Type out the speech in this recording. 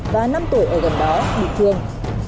và năm tuổi ở gần đó bị thương